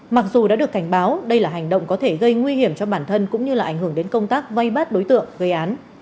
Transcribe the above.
mặc dù đã được cảnh báo đây là hành động có thể gây nguy hiểm cho bản thân cũng như là ảnh hưởng đến công tác vây bắt đối tượng gây án